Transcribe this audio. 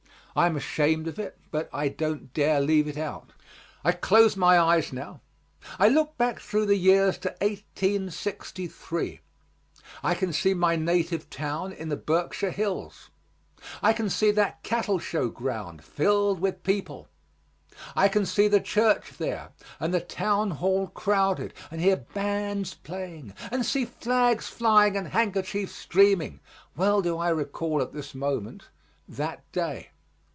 I am ashamed of it, but I don't dare leave it out. I close my eyes now; I look back through the years to 1863; I can see my native town in the Berkshire Hills, I can see that cattle show ground filled with people; I can see the church there and the town hall crowded, and hear bands playing, and see flags flying and handkerchiefs streaming well do I recall at this moment that day.